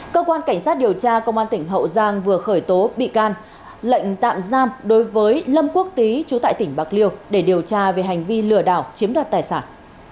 cơ quan cảnh sát điều tra công an tỉnh hậu giang vừa khởi tố bị can lệnh tạm giam đối với lâm quốc tý chú tại tỉnh bạc liêu để điều tra về hành vi lừa đảo chiếm đoạt tài sản